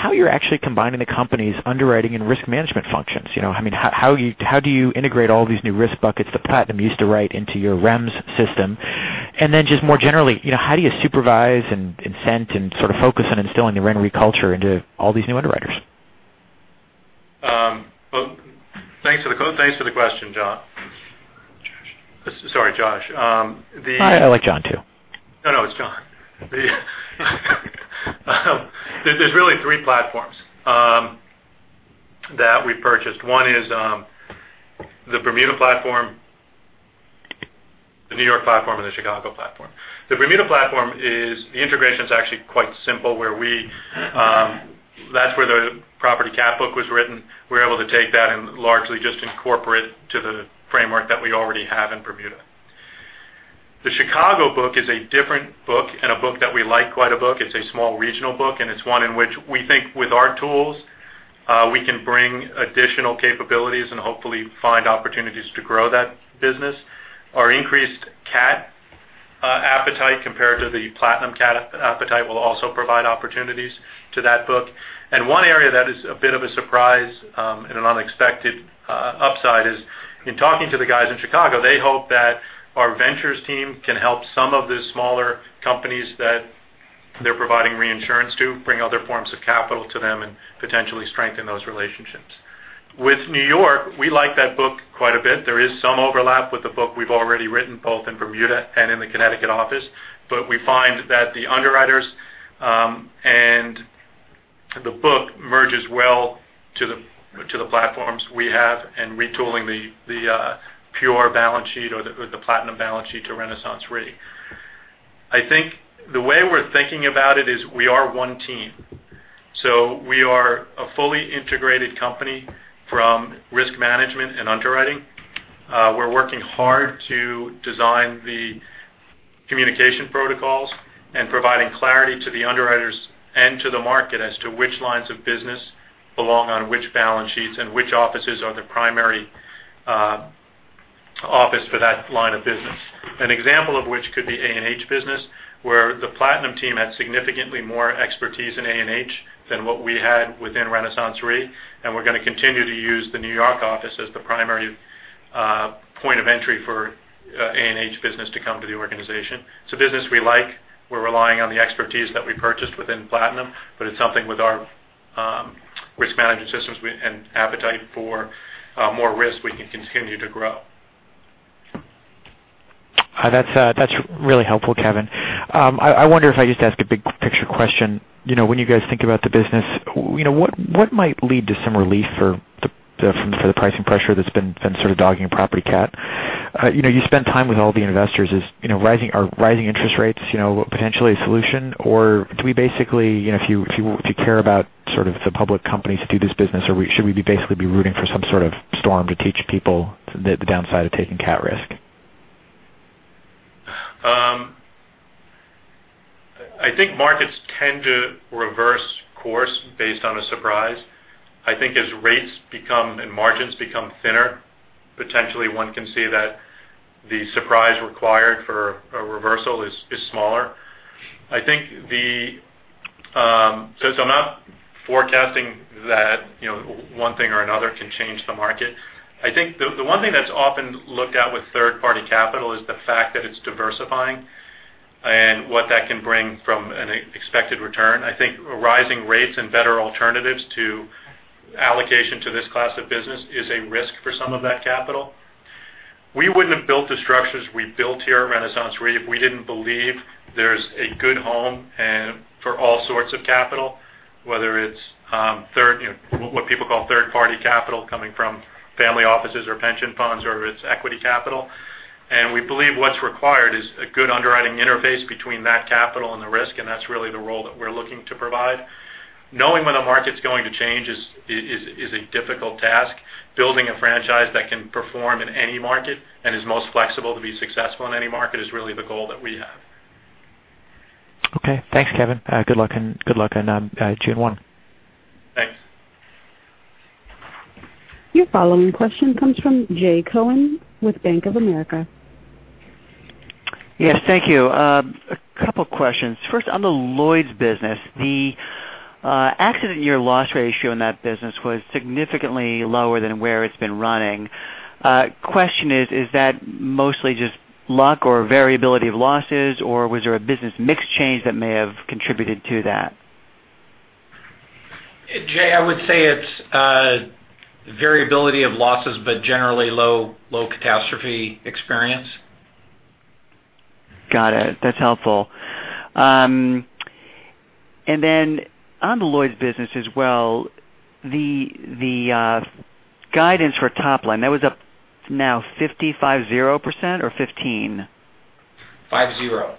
[SPEAKER 7] how you're actually combining the company's underwriting and risk management functions. How do you integrate all these new risk buckets that Platinum used to write into your REMS system? Just more generally, how do you supervise and incent and sort of focus on instilling the RenRe culture into all these new underwriters?
[SPEAKER 3] Well, thanks for the question, Josh. Josh. Sorry, Josh.
[SPEAKER 7] I like Josh, too.
[SPEAKER 3] No, no, it's Josh. There's really three platforms that we purchased. One is the Bermuda platform, the New York platform, and the Chicago platform. The Bermuda platform is the integration's actually quite simple. That's where the property CAT book was written. We're able to take that and largely just incorporate to the framework that we already have in Bermuda. The Chicago book is a different book and a book that we like quite a book. It's a small regional book, and it's one in which we think with our tools, we can bring additional capabilities and hopefully find opportunities to grow that business. Our increased CAT appetite compared to the Platinum CAT appetite will also provide opportunities to that book. One area that is a bit of a surprise and an unexpected upside is in talking to the guys in Chicago, they hope that our ventures team can help some of the smaller companies that they're providing reinsurance to bring other forms of capital to them and potentially strengthen those relationships. With New York, we like that book quite a bit. There is some overlap with the book we've already written, both in Bermuda and in the Connecticut office. We find that the underwriters and the book merges well to the platforms we have and retooling the pure balance sheet or the Platinum balance sheet to RenaissanceRe. I think the way we're thinking about it is we are one team. We are a fully integrated company from risk management and underwriting. We're working hard to design the communication protocols and providing clarity to the underwriters and to the market as to which lines of business belong on which balance sheets and which offices are the primary office for that line of business. An example of which could be A&H business, where the Platinum team had significantly more expertise in A&H than what we had within RenaissanceRe. We're going to continue to use the New York office as the primary point of entry for A&H business to come to the organization. It's a business we like. We're relying on the expertise that we purchased within Platinum. It's something with our risk management systems and appetite for more risk we can continue to grow.
[SPEAKER 7] That's really helpful, Kevin. I wonder if I could just ask a big picture question. When you guys think about the business, what might lead to some relief for the pricing pressure that's been sort of dogging Property cat? You spend time with all the investors, are rising interest rates potentially a solution, or do we basically, if you care about the public companies that do this business, should we basically be rooting for some sort of storm to teach people the downside of taking cat risk?
[SPEAKER 3] I think markets tend to reverse course based on a surprise. I think as rates become and margins become thinner, potentially one can see that the surprise required for a reversal is smaller. I'm not forecasting that one thing or another can change the market. I think the one thing that's often looked at with third-party capital is the fact that it's diversifying and what that can bring from an expected return. I think rising rates and better alternatives to allocation to this class of business is a risk for some of that capital. We wouldn't have built the structures we built here at RenaissanceRe if we didn't believe there's a good home for all sorts of capital, whether it's what people call third-party capital coming from family offices or pension funds, or if it's equity capital. We believe what's required is a good underwriting interface between that capital and the risk, and that's really the role that we're looking to provide. Knowing when a market's going to change is a difficult task. Building a franchise that can perform in any market and is most flexible to be successful in any market is really the goal that we have.
[SPEAKER 7] Okay, thanks, Kevin. Good luck in June one.
[SPEAKER 3] Thanks.
[SPEAKER 1] Your following question comes from Jay Cohen with Bank of America.
[SPEAKER 8] Yes, thank you. A couple questions. First, on the Lloyd's business, the accident year loss ratio in that business was significantly lower than where it's been running. Question is that mostly just luck or variability of losses, or was there a business mix change that may have contributed to that?
[SPEAKER 3] Jay, I would say it's variability of losses, but generally low catastrophe experience.
[SPEAKER 8] Got it. That's helpful. Then on the Lloyd's business as well, the guidance for top line, that was up now 55 zero % or 15?
[SPEAKER 3] Five zero.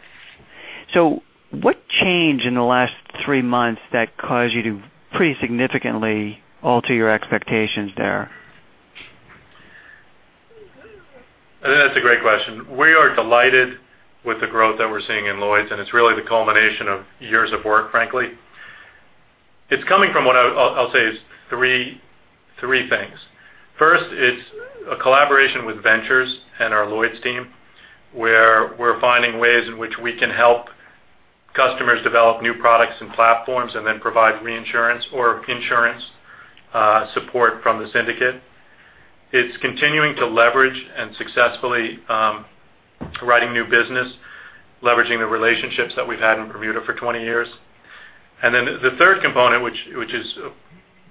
[SPEAKER 8] What changed in the last three months that caused you to pretty significantly alter your expectations there?
[SPEAKER 3] I think that's a great question. We are delighted with the growth that we're seeing in Lloyd's, and it's really the culmination of years of work, frankly. It's coming from what I'll say is three things. First, it's a collaboration with ventures and our Lloyd's team, where we're finding ways in which we can help customers develop new products and platforms and then provide reinsurance or insurance support from the syndicate. It's continuing to leverage and successfully writing new business, leveraging the relationships that we've had in Bermuda for 20 years. The third component, which is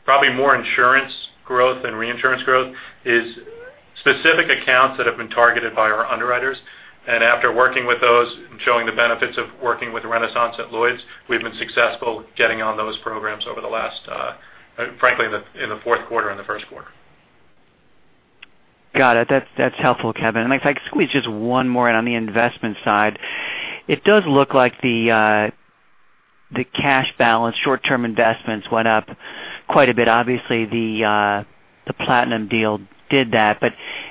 [SPEAKER 3] probably more insurance growth than reinsurance growth, is specific accounts that have been targeted by our underwriters. After working with those and showing the benefits of working with Renaissance at Lloyd's, we've been successful getting on those programs frankly, in the fourth quarter and the first quarter.
[SPEAKER 8] Got it. That's helpful, Kevin. If I could squeeze just one more in on the investment side. It does look like the cash balance short-term investments went up quite a bit. Obviously, the Platinum deal did that.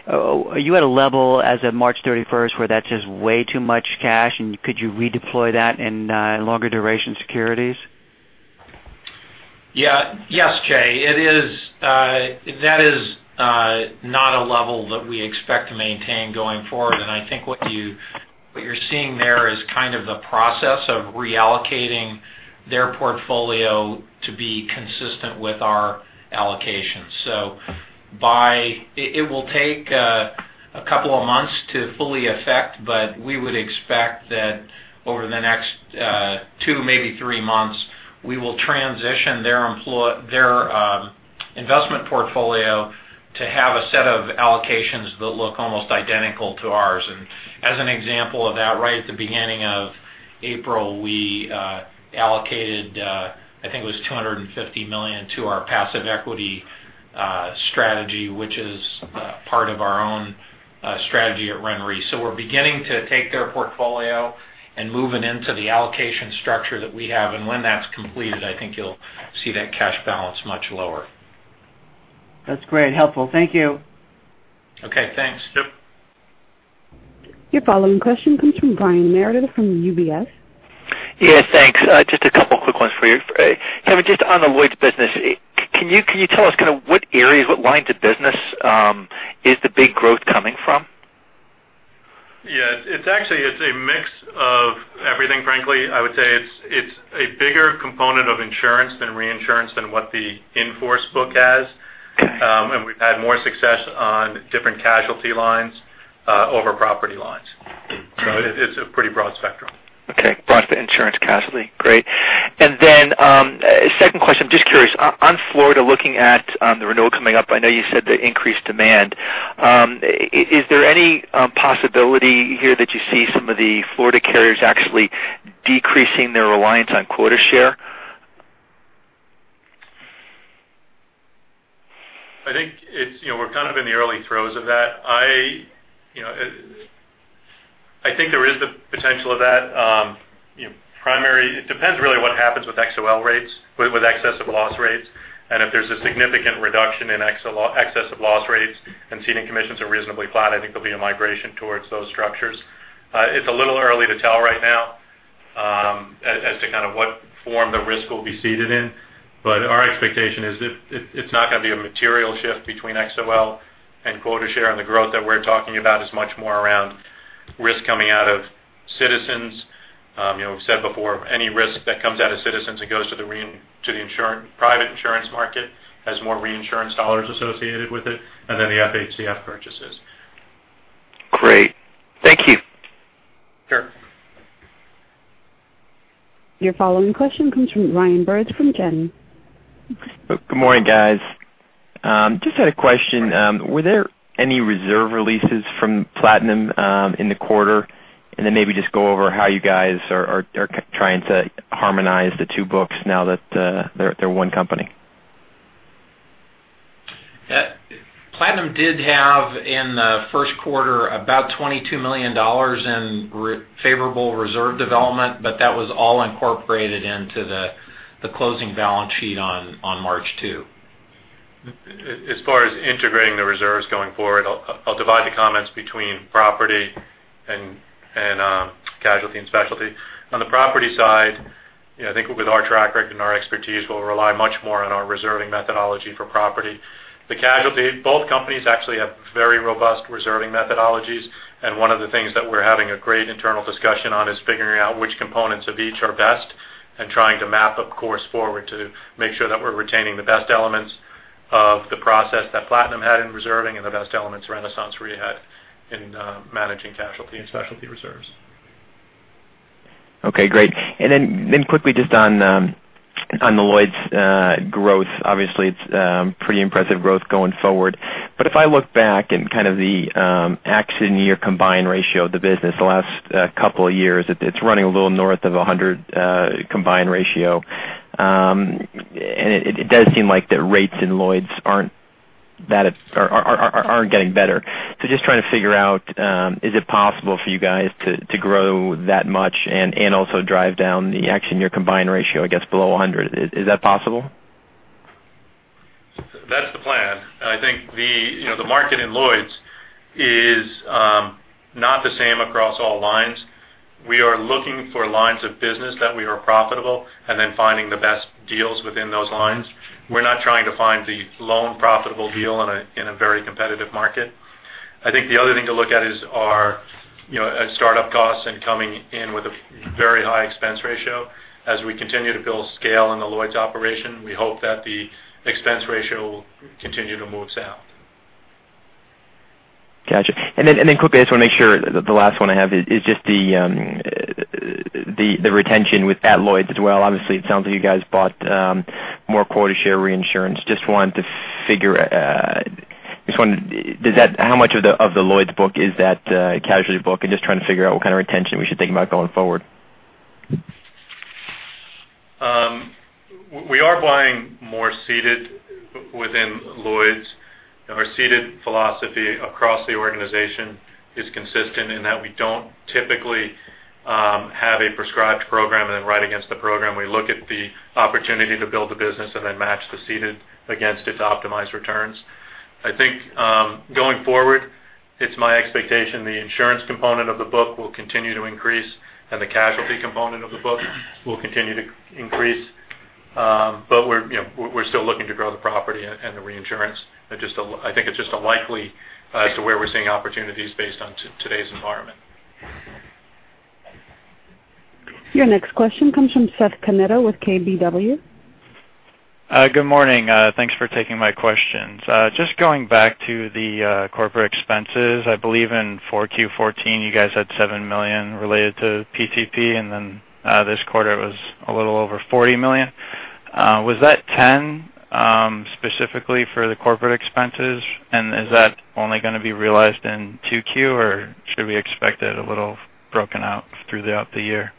[SPEAKER 8] Are you at a level as of March thirty-first where that's just way too much cash, and could you redeploy that in longer duration securities?
[SPEAKER 3] Yes, Jay. That is not a level that we expect to maintain going forward. I think what you're seeing there is kind of the process of reallocating their portfolio to be consistent with our allocation. It will take a couple of months to fully affect, but we would expect that over the next two, maybe three months, we will transition their investment portfolio to have a set of allocations that look almost identical to ours. As an example of that, right at the beginning of April, we allocated I think it was $250 million to our passive equity strategy, which is part of our own strategy at RenRe. We're beginning to take their portfolio and move it into the allocation structure that we have. When that's completed, I think you'll see that cash balance much lower.
[SPEAKER 8] That's great. Helpful. Thank you.
[SPEAKER 3] Okay, thanks.
[SPEAKER 1] Your following question comes from Brian Meredith from UBS.
[SPEAKER 9] Yes, thanks. Just a couple quick ones for you. Kevin, just on the Lloyd's business, can you tell us kind of what areas, what lines of business is the big growth coming from?
[SPEAKER 3] Yeah. It's actually a mix of everything, frankly. I would say it's a bigger component of insurance than reinsurance than what the in-force book has. We've had more success on different casualty lines over property lines. It's a pretty broad spectrum.
[SPEAKER 9] Okay. Broad for insurance casualty. Great. At the renewal coming up, I know you said the increased demand. Is there any possibility here that you see some of the Florida carriers actually decreasing their reliance on quota share?
[SPEAKER 3] I think we're kind of in the early throes of that. I think there is the potential of that. It depends really on what happens with XOL rates, with excess of loss rates, and if there's a significant reduction in excess of loss rates and seating commissions are reasonably flat, I think there'll be a migration towards those structures. It's a little early to tell right now as to kind of what form the risk will be seated in, but our expectation is it's not going to be a material shift between XOL and quota share, and the growth that we're talking about is much more around risk coming out of Citizens. We've said before, any risk that comes out of Citizens and goes to the private insurance market has more reinsurance dollars associated with it, then the FHCF purchases.
[SPEAKER 9] Great. Thank you.
[SPEAKER 3] Sure.
[SPEAKER 1] Your following question comes from Ryan Byrnes from Janney.
[SPEAKER 10] Good morning, guys. Just had a question. Were there any reserve releases from Platinum in the quarter? Then maybe just go over how you guys are trying to harmonize the two books now that they're one company.
[SPEAKER 4] Platinum did have in the first quarter about $22 million in favorable reserve development. That was all incorporated into the closing balance sheet on March 2.
[SPEAKER 3] As far as integrating the reserves going forward, I'll divide the comments between property and casualty and specialty. On the property side, I think with our track record and our expertise, we'll rely much more on our reserving methodology for property. The casualty, both companies actually have very robust reserving methodologies. One of the things that we're having a great internal discussion on is figuring out which components of each are best and trying to map a course forward to make sure that we're retaining the best elements of the process that Platinum had in reserving and the best elements RenaissanceRe had in managing casualty and specialty reserves.
[SPEAKER 10] Okay, great. Quickly just on the Lloyd's growth. Obviously, it's pretty impressive growth going forward. If I look back in kind of the accident year combined ratio of the business the last couple of years, it's running a little north of 100 combined ratio. It does seem like the rates in Lloyd's aren't getting better. Just trying to figure out, is it possible for you guys to grow that much and also drive down the accident year combined ratio, I guess, below 100? Is that possible?
[SPEAKER 3] That's the plan. I think the market in Lloyd's is not the same across all lines. We are looking for lines of business that we are profitable and then finding the best deals within those lines. We're not trying to find the lone profitable deal in a very competitive market. I think the other thing to look at is our startup costs and coming in with a very high expense ratio. As we continue to build scale in the Lloyd's operation, we hope that the expense ratio will continue to move south.
[SPEAKER 10] Got you. Quickly, I just want to make sure the last one I have is just the retention with at Lloyd's as well. Obviously, it sounds like you guys bought more quota share reinsurance. Just wanted to figure how much of the Lloyd's book is that casualty book and just trying to figure out what kind of retention we should think about going forward.
[SPEAKER 3] We are buying more ceded within Lloyd's. Our ceded philosophy across the organization is consistent in that we don't typically have a prescribed program then write against the program. We look at the opportunity to build the business then match the ceded against its optimized returns. I think going forward, it's my expectation the insurance component of the book will continue to increase and the casualty component of the book will continue to increase. We're still looking to grow the property and the reinsurance. I think it's just a likely as to where we're seeing opportunities based on today's environment.
[SPEAKER 1] Your next question comes from Seth Canetto with KBW.
[SPEAKER 11] Good morning. Thanks for taking my questions. Just going back to the corporate expenses, I believe in 4Q 2014, you guys had $7 million related to PTP, then this quarter it was a little over $40 million. Was that 10 specifically for the corporate expenses, is that only going to be realized in 2Q, or should we expect it a little broken out throughout the year?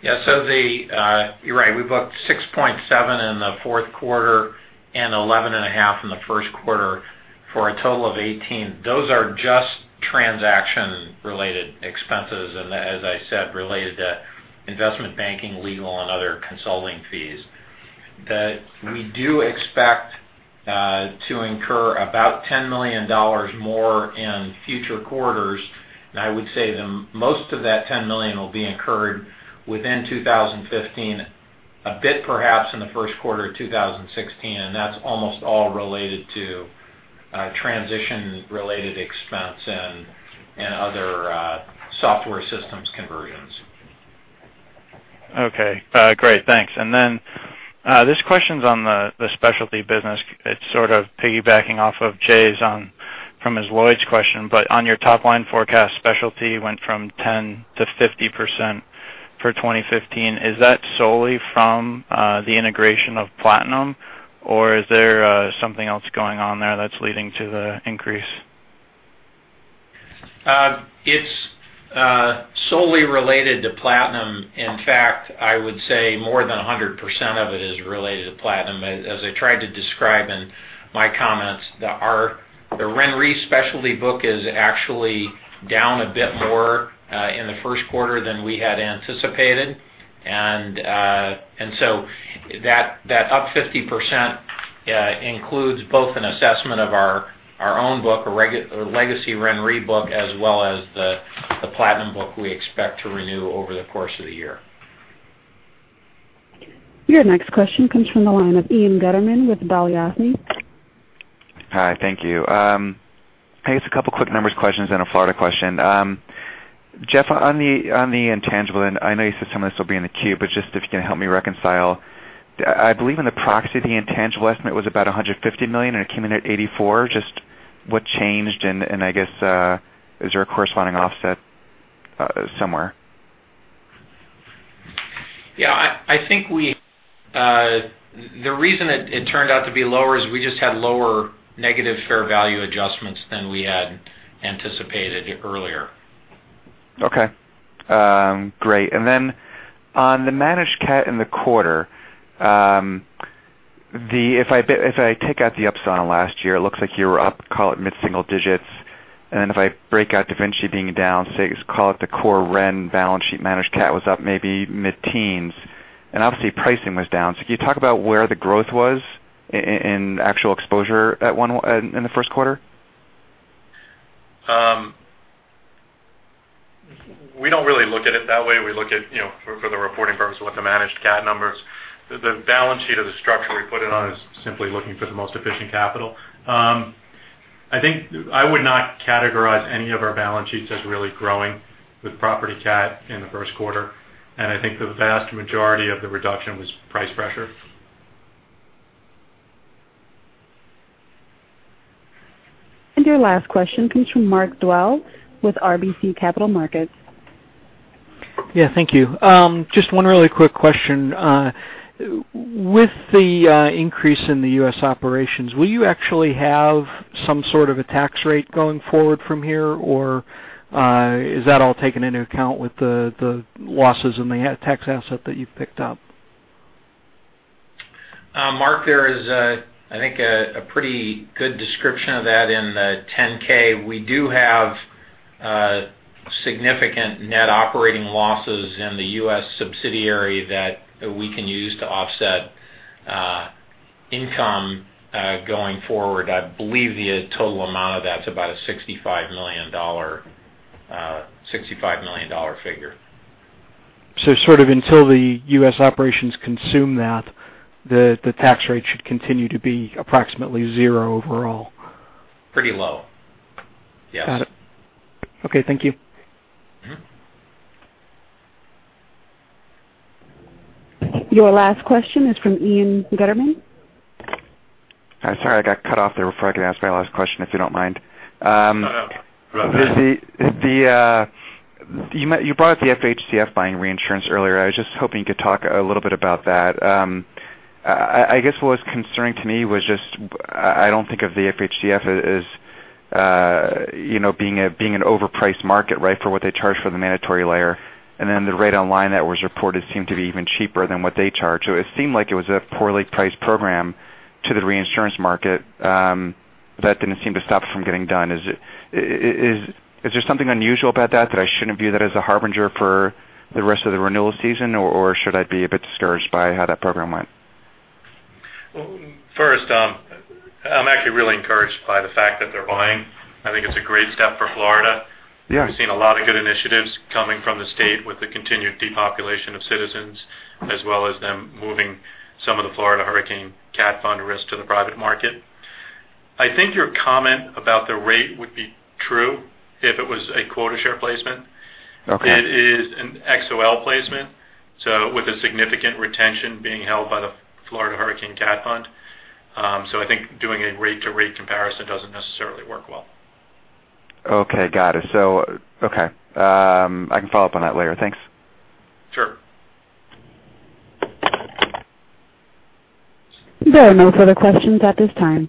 [SPEAKER 4] Yeah. You're right. We booked 6.7 in the fourth quarter and 11 and a half in the first quarter for a total of 18. Those are just transaction related expenses, and as I said, related to investment banking, legal, and other consulting fees. We do expect to incur about $10 million more in future quarters, and I would say most of that $10 million will be incurred within 2015, a bit perhaps in the first quarter of 2016, and that's almost all related to transition related expense and other software systems conversions.
[SPEAKER 11] Okay, great. Thanks. This question's on the specialty business. It's sort of piggybacking off of Jay's from his Lloyd's question, but on your top line forecast, specialty went from 10% to 50%. For 2015, is that solely from the integration of Platinum, or is there something else going on there that's leading to the increase?
[SPEAKER 4] It's solely related to Platinum. In fact, I would say more than 100% of it is related to Platinum. As I tried to describe in my comments, the RenRe specialty book is actually down a bit more in the first quarter than we had anticipated. That up 50% includes both an assessment of our own book, a legacy RenRe book, as well as the Platinum book we expect to renew over the course of the year.
[SPEAKER 1] Your next question comes from the line of Ian Gutterman with Balyasny.
[SPEAKER 12] Hi, thank you. I guess a couple quick numbers questions, then a Florida question. Jeff, on the intangible, and I know you said some of this will be in the Q, but if you can help me reconcile. I believe in the proxy, the intangible estimate was about $150 million and it came in at $84. What changed, and I guess, is there a corresponding offset somewhere?
[SPEAKER 4] Yeah. I think the reason it turned out to be lower is we just had lower negative fair value adjustments than we had anticipated earlier.
[SPEAKER 12] Okay. Great. On the managed cat in the quarter. If I take out the Upsilon last year, it looks like you were up, call it mid-single digits. If I break out DaVinci being down, call it the core Ren balance sheet managed cat was up maybe mid-teens, and obviously pricing was down. Can you talk about where the growth was in actual exposure in the first quarter?
[SPEAKER 3] We don't really look at it that way. We look at, for the reporting purpose, what the managed cat numbers. The balance sheet of the structure we put it on is simply looking for the most efficient capital. I think I would not categorize any of our balance sheets as really growing with property cat in the first quarter. I think the vast majority of the reduction was price pressure.
[SPEAKER 1] Your last question comes from Mark Dwelle with RBC Capital Markets.
[SPEAKER 13] Yeah, thank you. Just one really quick question. With the increase in the U.S. operations, will you actually have some sort of a tax rate going forward from here, or is that all taken into account with the losses in the tax asset that you've picked up?
[SPEAKER 4] Mark, there is, I think, a pretty good description of that in the 10-K. We do have significant net operating losses in the U.S. subsidiary that we can use to offset income going forward. I believe the total amount of that is about a $65 million figure.
[SPEAKER 13] Sort of until the U.S. operations consume that, the tax rate should continue to be approximately zero overall.
[SPEAKER 4] Pretty low. Yes.
[SPEAKER 13] Got it. Okay, thank you.
[SPEAKER 1] Your last question is from Ian Gutterman.
[SPEAKER 12] Sorry, I got cut off there before I could ask my last question, if you don't mind.
[SPEAKER 4] No, no. Go ahead.
[SPEAKER 12] You brought up the FHCF buying reinsurance earlier. I was just hoping you could talk a little bit about that. I guess what was concerning to me was just I don't think of the FHCF as being an overpriced market, right, for what they charge for the mandatory layer. The rate online that was reported seemed to be even cheaper than what they charge. It seemed like it was a poorly priced program to the reinsurance market. That didn't seem to stop it from getting done. Is there something unusual about that I shouldn't view that as a harbinger for the rest of the renewal season, or should I be a bit discouraged by how that program went?
[SPEAKER 3] First, I'm actually really encouraged by the fact that they're buying. I think it's a great step for Florida.
[SPEAKER 12] Yeah.
[SPEAKER 3] We've seen a lot of good initiatives coming from the state with the continued depopulation of Citizens, as well as them moving some of the Florida Hurricane Cat Fund risk to the private market. I think your comment about the rate would be true if it was a quota share placement.
[SPEAKER 12] Okay.
[SPEAKER 3] It is an XOL placement, with a significant retention being held by the Florida Hurricane Catastrophe Fund. I think doing a rate-to-rate comparison doesn't necessarily work well.
[SPEAKER 12] Okay, got it. Okay. I can follow up on that later. Thanks.
[SPEAKER 3] Sure.
[SPEAKER 1] There are no further questions at this time.